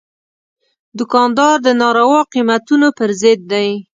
دوکاندار د ناروا قیمتونو پر ضد دی.